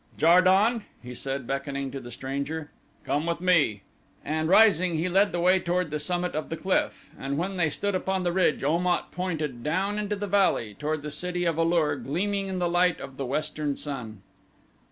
"Jar don," he said beckoning to the stranger, "come with me," and rising he led the way toward the summit of the cliff, and when they stood upon the ridge Om at pointed down into the valley toward the City of A lur gleaming in the light of the western sun.